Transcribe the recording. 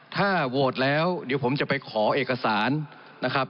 ถ้าโหวตแล้วเดี๋ยวผมจะไปขอเอกสารนะครับ